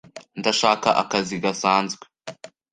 Ndashaka akazi gasanzwe.